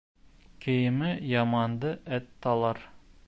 Кейеме яманды эт талар.